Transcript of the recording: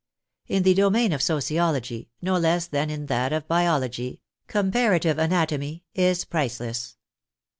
In the domain of sociology, no less than in that of biology, " comparative anatomy " is priceless.